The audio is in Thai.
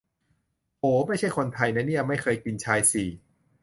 โห 'ไม่ใช่คนไทย' นะเนี่ย ไม่เคยกินชายสี่